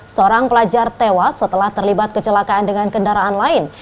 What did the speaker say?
seorang pelajar tewas setelah terlibat kecelakaan dengan kendaraan lain